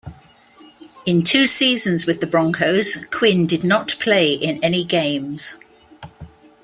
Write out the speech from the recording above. In two seasons with the Broncos, Quinn did not play in any games.